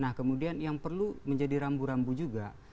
nah kemudian yang perlu menjadi rambu rambu juga